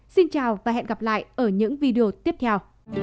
xin chào và hẹn gặp lại ở những video tiếp theo